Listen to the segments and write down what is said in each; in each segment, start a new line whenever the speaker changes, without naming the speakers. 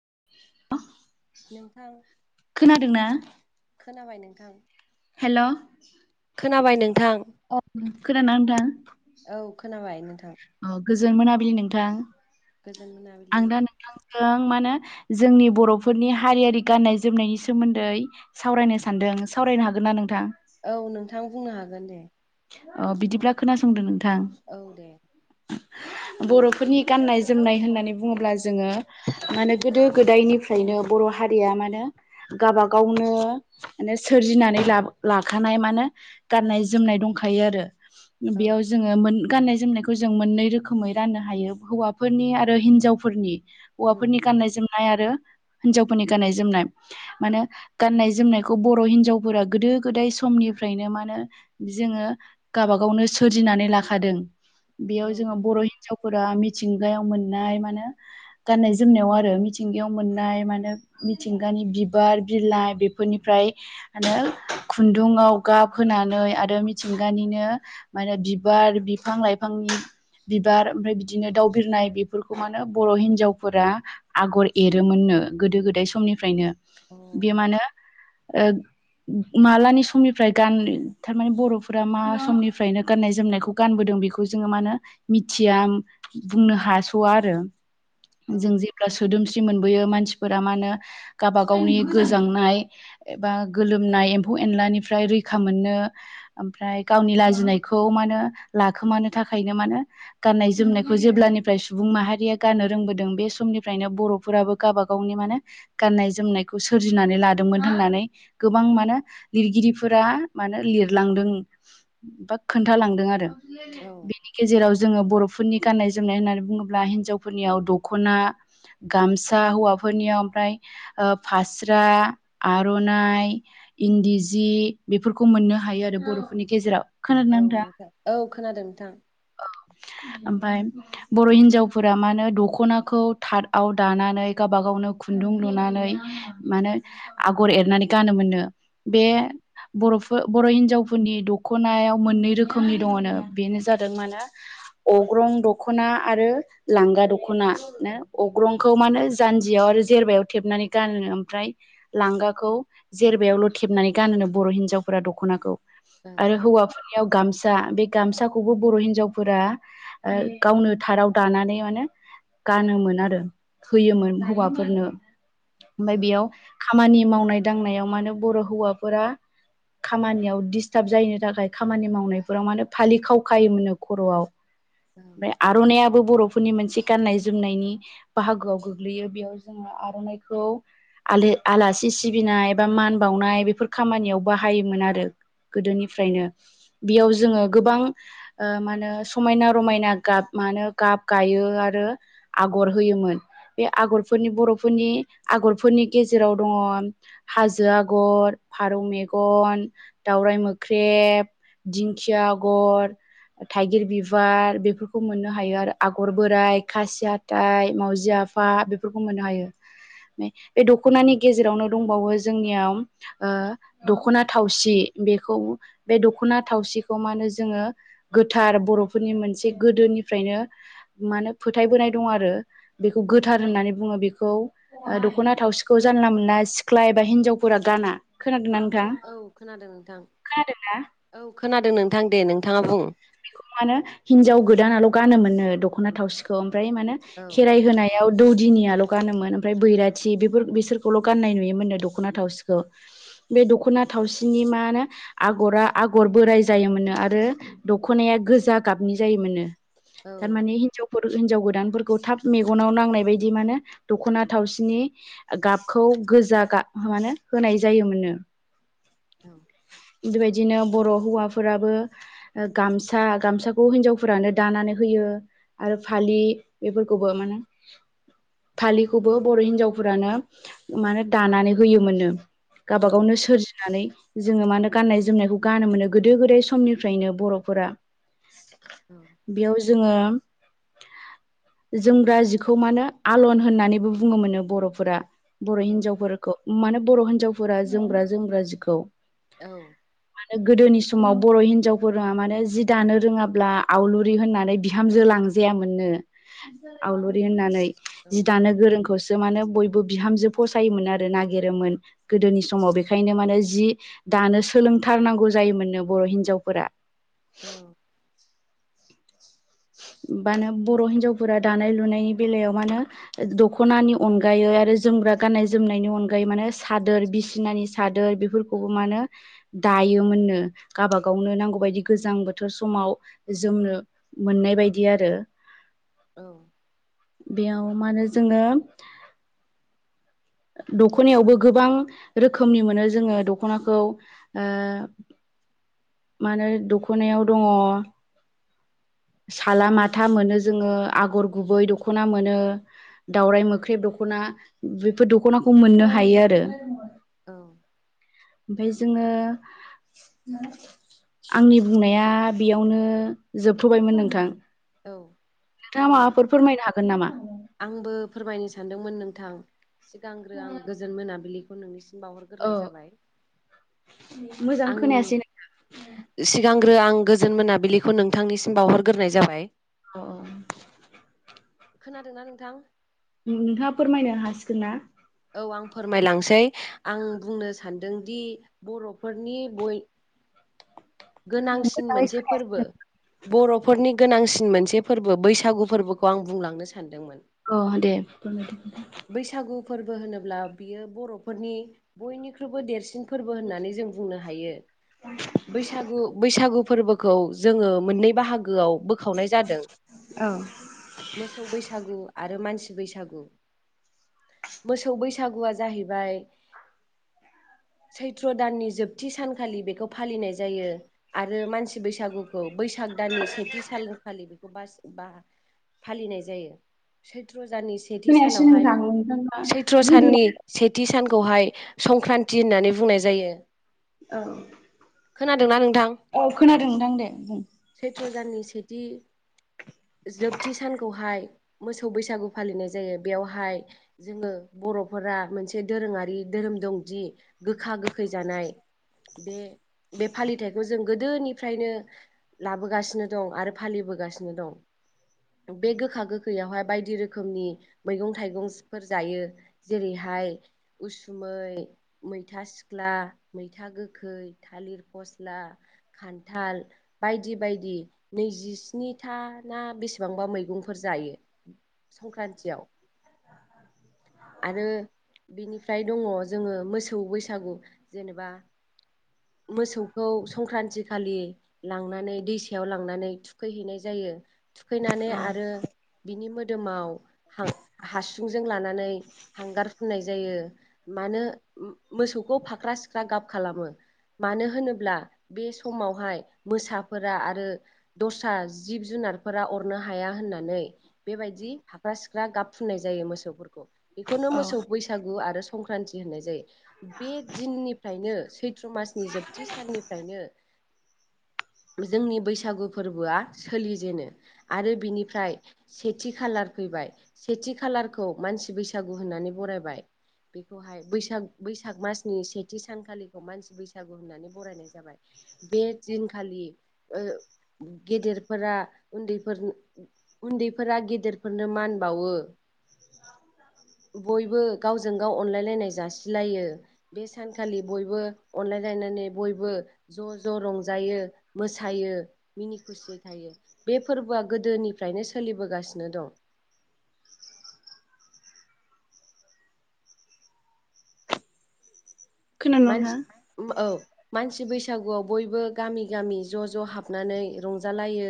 [unintelligible]
नोंथां
खोनादोंना
खोनाबाय नोंथां।
हेलौ
खोनाबाय नों
औ खोनादोंना
औ खोनाबाय नोंथां
नोंथां? गोजोन मोनाबिलि नोंथां।
गोजोन मोनाबिलि
जों मा होनो जोंनि बरफोरनि हारियारि गाननाय जोमनायनि सोमोन्दै सावरायनो सानदों सावरायनो हागोन ना नोंथां?
औ नोंथां बुंनो हागोन दे
बिदिब्ला खोनासंदो नोंथां
औ दे
[unintelligible] बर'फोरनि गाननाय जोमनाय होननानै बुङोब्ला जोङो माने गोदो गोदायनिफ्रायनो बर' हारिया मानो गावाब गावनो माने सोरजिनानै ला लाखानाय मानो गाननाय जोमनाय दंखायो आरो
औ
बेयाव जोङो मोन गाननाय जोमनायखौ जों मोननै रोखोमै राननो हायो हौवाफोरनि आरो हिन्जावफोरनि
उम
हौवाफोरनि गाननाय जोम नाय आरो हिनजावफोरनि गाननाय जोमनाय माने गाननाय जोमनायखौ बर हिनजावफोरा गोदो गोदो गोदाय समनिफ्रायनो मा होनो जोङो गाबा गावनो सोरजिनानै लाखादों बेयाव
औ
जोङो बर' हिनजाव फोरा मिथिंगायाव मोननाय मानो गाननाय जोमनायाव आरो मिथिंगायाव मोननाय मानो मिथिंगानि बिबार बिलाइ बेफोरनिफ्रायो मानो खुन्दुंआव गाब होना नै आरो मिथिंगानिनो मानो बिबार बिफां लाइफांनि बिबार ओमफ्राय बिदिनो दाउ बिरनाय बेफोरखौ मानो बर हिनजावफोरा आगर एरोमोन नो गोदो गोदाय समनिफ्रायनो
अ
बे मा होनो ओ मालानि समनिफ्राय गान थारमाने बर फ्रा मा समनिफ्रायनो गाननाय जोमनायखौ गानबोदों बेखौ जोङो मा होनो मिथिया बुंनो हा- सवा आरो
औ
जों जेब्ला सोदोम- स्रि मोनबोयो मानसिफोरा मा होनो गावबा गावनि गोजांनाय एबा गोलोमनाय एम्फौ एनलानिफ्राय रैखा मोननो आमफ्राय गावनि लाजिनायखौ मा होनो लाखोमानो थाखायनो मानो गाननाय जोमनायखौ जेब्ला निफ्राय सुबुं माहारिया गनो रोंबोदों बे समनिफ्रायनो बरफोराबो गावबा गावनि मानो गाननाय जोमनाय नायखौ सोरनानै लादोंमोन होननानै गोबां मानो लिरगिरिफोरा मानो लिर लांदों बा खोन्थालांदों आरो।
औ
बेनि गेजेराव जोङो बर' फोरनि गान्नाय जोमनाय होननानै बुङोब्ला हिन्जावफोरनियाव दखना गामसा हौवाफोरनियाव ओमफ्राय फास्रा, आरनाइ इन्दि सि बेफोरखौ मोननो हायो आरो बर'फोरनि गेजेराव।
औ नोंथां औ खोनादों नोंथां।
औ ओमफाय बर' हिनजावफोरा मा होनो दख'नाखौ थादआव दानानै गावबा गावनो खुन्दुं लुनानै माने आगर एरनानै गानोमोननो बे बर'फो बर' हिनजावफोरनि दख'नायाव मोननै रोखोमनि दङ'नो बेनो जादों मा नो अग्रं दख'ना आरो लांगा दख'ना नो, अग्रंखौ खौ मा नो जानजियाव आरो जेरबायायाव थेबनानै गानोनो ओमफ्राय लांगाखौ जेरबायल' थेब नानै गानोनो बर' हिनजावफोरा दख'नाखौ
औ
आरो हौवाफोरनियाव गामसा बे गामसा खौबो बर' हिनजावफोरा ओ गावनो थाराव दानानै माने गानोमोन आरो होयोमोन हौवाफोरनो ओमफाय
औ
बेयाव खामानि मावनाय दांनायाव मा नो बर' हौवाफोरा खामानियाव डिस्टार्ब जायैनि थाखाय खामानि मावनायफोराव मा नो फालि खाव खायोमोननो खर'आव
औ
ओमफाय आर'नाइआ बो बर'फोरनि मोनसे गाननाय जोमनायनि बाहागोआव गोग्लैयो बेयाव जोङो आर'नाइखौ आलो आलासि सिबिनाय बा मान बावनाय बेफोर खामानियाव बाहायोमोन आरो। गोदोनिफ्रायनो बेयाव जोङो गोबां ओ मा नो समायना रमायना गाब मा नो गाब गायो आरो आगर होयोमोन। बे आगरफोरनि बर'फोरनि आगरफोरनि गेजेराव दङ हाजो आगर फारौ मेगन, दावराइ मोख्रेब, दिंखिया आगर थाइगिर बिबार बेफोरखौ मोननो हायो आरो आगर बोराइ, खासि हाथ्थाय, माव जि आफा बेफोरखौ मोननो हायो। मे बे दख'नानि गेजेरावनो दंबावो जोंनियाव ओ दख'ना थावसि। बेखौ बे दख'ना थावसिखौ मा होनो जोङो गोथार बर'फोरनि मोनसे गोदोनिफ्रायनो मा होनो फोथायबोनाय दं आरो बेखौ गोथार होननानै बुङो बेखौ ओ दख'ना थावसिखौ जानला मोना सिख्ला एबा हिन्जावफोरा गान गाना खोनादों ना नों नोंथां
औ खोनादों नोंथां औ खोनादों नों
मा होनो हिनजाव गोदानल' गानोम नो दख'ना थावसिखौ ओम फ्राय माने
औ
खेराय होनायाव दौदिनियाल' गानोमोन ओमफ्राय बैराथि बेफोर बिसोरखौल' गाननाय नुयोमोननो दख'ना थावसिखौ। बे दख'ना थावसिनि मा होनो आगरा आगर बोराय जायोमोननो आर रो दखनाया गोजा गाबनि जायोमोननो
औ
थारमाने हिनजावफोर हिनजाव गोदानफोरखौ थाब मेगनाव नांनाय बायदि माहोनो दखना थावसिनि गाबखौ गोजा गाब मानो होनाय जायोमोननो।
औ।
बेबायदिनो बर' हौवाफोराबो गामसा गामसाखौ हिनजावफोरानो दानानै होयो आरो फालि बेफोरखौ अबहाय मोनो? फालिखौबो बर' हिनजावफोरानो माने दानानै होयोमोननो।
औ
गावबागावनो सोरजिनानै जोङो मा होनो गाननाय जोमनायखौ गानो मोनो गोदो गोदाय समनि फ्रायनो बर'फोरा
औ
बेयाव जोङो जोमग्रा जिखौ मा होनो आलन होननानैबो बुङोमोननो बर'फोरा। बर' हिनजावफोरखौ माने बर' हिन्जावफोरा जोमग्रा- जोमग्रा जिखौ।
औ।
ओ गोदोनि समाव बर' हिनजाव फोरा माने जि दानो रोङाब्ला आवलुरि होननानै बिहामजो लांजायामोननो। आवलुरि होननानै
औ
जि दानो गोरोंखौसो मा होनो बयबो बिहामजो फसायोमोन आरो नागिरोमोन गोदोनि समाव बेखायनो माने जि दानो सोलोंथारनांगौ जायोमोननो बर' हिनजावफोरा।
औ
मानो बर' हिनजावफोरा दानाय लुनायनि बेलायाव मानोे दखनानि अनगायै आरो जोमग्रा गाननाय जोमनायनि अनगायै माने सादोर बिसिनानि सादोर बेफोरखौबो मा होनो दायोमोननो गावाब गावनो नांगौबायायदि गोजां बोथोर समाव जोमनो मोननाय बायदि आरो
औ
बेयाव मा होनो जोङो दख'नायावबो गोबां रोखोमनि मोनो जोङो दख'नाखौ ओ मानो दख'नायाव दङ साला माथा मोनो जोङो आगर गुबै दख'ना मोनो दावराइ मोख्रेब दख'ना दख'ना बेफोर दख'नाखौ मोननो हायो आरो
औ
ओमफाय जोङो आंनि बुंनाया बेयावनो जोबथ'बायमोन नोंथां।
औ
नोंथाङा
आं
माबाफोर फोरमायनो हागोन नामा?
आंबो फोरमायनो सानदोंमोन नोंथां सिगांग्रो आं गोजोन मोनाबिलिखौ नोंनिसि बावहरग्रोनाय
औ
जाबाय।
मोजां
आं
खोनायासै
सिगांग्रो आं गोजोन मोनाबिलिखौ नोंथांनिसिम बावहरग्रोनाय जाबाय।
अ
खोनादोंना नोंथां?
नोंथाङा फोरमायनो हासिगोन ना?
औ आं फोरमायलांसै आं बुंनो सानदोंदि बर'फोरनि बय गोनांसिन
मोजाङै
मोनसे फोरबो
खोनायासै
बर'फोरनि गोनांसिन मोनसे फोरबो बैसागु फोरबोखौ आं बुंलांनो सानदोंमोन?
अ दे फोरमाय।
बैसागु फोरबो होनोब्ला बियो बर'फोरनि बयनिख्रुइबो देरसिन फोरबो होननानै जों बुंनो हायो बैसागु बैसागु फोरबोखौ जोङो मोननै बाहागोआव बोखावनाय जादों
औ
मोसौ बैसागु आरो मानसि बैसागु मोसौ बैसागुआ जाहैबाय
[unintelligible]
सैथ्र' दाननि जोबथि सानखालि बेखौ फालिनाय जायो आरो मानसि बैसागु बैसाग दाननि सेथि सानखालि बेखौ बा फालिनाय जायो। सेथि
खोनायासै
सानावहाय
नोंथां नोंथाङा
सैथ्र
गोदो
साननि सेथि सानखौहाय संक्रान्ति होननानै बुंनाय जायो।
औ
खोनादोंना नोंथां
औ खोनादों नोंथां दे बुं
सैथ्र'दाननि सेथि जोबथि सानखौहाय मोसौ बैसागु फालिनाय जायो बेयावहाय जोङो बर'फोरा मोनसे दोरोङारि धोरोम दंदि गोखा गोखै जानाय बे बे फालिथायखौ जों गोदोनिफ्रायनो लाबोगासिनो दं आरो फालिबो दं बे गोखा गोखैयावहाय बायदि रोखोमनि मैगं थाइगं फोर जायो जेरैहाय उसुमै मैथा सिख्ला मैथा गोखा गोखै थालिर फस्ला खान्थाल बायदि बायदि नैजिस्नि स्निथा ना बेसेबांबा मैगंफोर जायो संक्रान्तियाव आरो बिनिफ्राय दङ जोङो मोसौ बैसागु जेनेबा मोसौखौ संक्रान्ति खालि लांनानै दैसायाव लांनानै थुखैहैनाय जायो। [unintelligible] थुखैनानै
औ
आरो बिनि मोदोमाव हां हासुंजों लानानै हांगार फुननाय जायो मानो मोसौखौ फाख्रा सिख्रा गाब खालामो मानो होनोब्ला बे समावहाय मोसाफोरा आरो दस्रा जिब जुनार जुनारफोरा अरनो हाया होननानै बेबायदि फाख्रा सिख्रा गाब फुननाय जायो मोसौफोरखौ बेखौनो
औ
मोसौ बैसागु आरो संक्रान्ति होननाय जायो बे दिननिफ्रायनो सैत्र मासनि जोबथि साननिफ्रायनो
[inaudible]
जोंनि बैसागु फोरबोआ सोलिजेनो आरो बिनिफ्राय सेथि खालार फैबाय सेथि खालारखौ मानसि बैसागु होननानै बरायबाय बेखौहाय बैसाग बैसाग मासनि सेथि सानखालिखौ मानसि बैसागु होननानै बरायनाय जाबाय बे दिनखालि ओ गेदेरफोरा उन्दैफोर उन्दैफोरा गेदेरफोरनो मान बाउवो
[unintelligible]
बयबो गावजों गाव अनलायलायनाय जासिलायो बे सानखालि बयबो अनलायनाय नानै बयबो ज' ज' रंजायो मोसायो मिनि खुसियै थायो। बे फोरबोआ गोदोनिफ्रायनो सोलिबोगासिनो दं।
[inaudible] खोनादों
मानसि
नोंथां
[inaudible] औ मानसि बैसागुवाव बयबो गामि गामि ज' ज' हाबनानै रंजालायो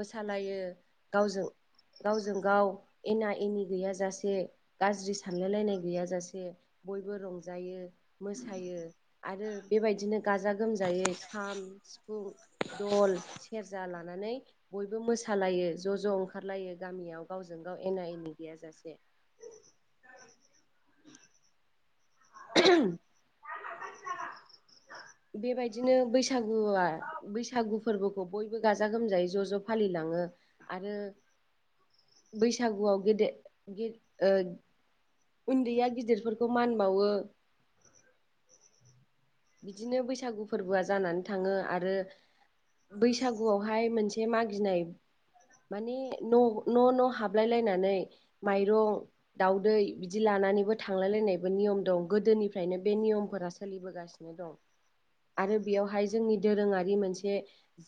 मोसालायो [inaudible] गावजों गावजों गाव एना एनि गैयाजासे गाज्रि सानलायलायनाय गैयाजासे बयबो रंजायो मोसायो सायो आरो बेबायदिनो गाजा गोमजायै खाम सिफुं दल सेरजा लानानै बयबो मोसालायो ज' ज' ओंखारलायो गामियाव गावजों गाव एना एनि गैयाजासे
[inaudible]
[unintelligible] बेबायदिनो बैसागुवा बैसागु फोरबोखौ बयबो बो गाजा गोमजायै ज' ज' फालिलांङो आरो बैसागुवाव गेदेर देर ओ उन्दैया गिदिरफोरखौ मान बाउवो बिदिनो बैसागु फोरबोआ जानानै थांङो आरो बैसागुवावहाय मोनसे मागिनाय माने न' न' न' हाबलायलायनानै माइरं दाउदै बिदि लाना नानैबो थांलाय लायनायबो नियम दं गोदोनिफ्रायनो बे नियमफोरा सोलिबोगासिनो दं। आरो बेयावहाय जोंनि दोरोंङारि मोनसे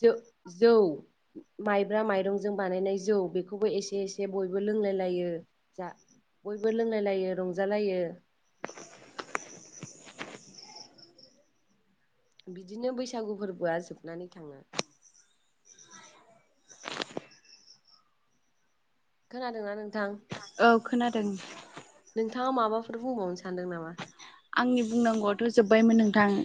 जो-जौ माइब्रा माइ? माइरंजों बानायनाय जौ बेखौबो एसे एसे बयबो लोंलाय लायो [inaudible] बयबो लोंलाय लायो रंजालायो बिदिनो बैसागु फोरबोआ जोबनानै थांङो खोनादोंना नोंथां?
औ खोनादों
नोंथांङा माबाफोर बुंबावनो सानदों नामा?
आंनि बुंनांगौवाथ' जोब्बायमोन नोंथां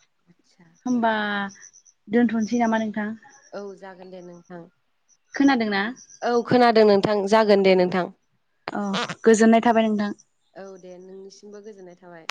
[inaudible]
होमबा दोनथ'नोसै नामा नोंथां?
औ जागोन दे नोंथां
खोनादोंना?
औ खोनादों नों नोंथां जागोन दे नोंथां
औ गोजोननाय थाबाय नोंथां
औ दे [inaudible] गोजोननाय थाबाय